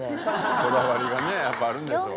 こだわりがねやっぱあるんでしょう。